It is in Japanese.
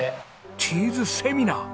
チーズセミナー！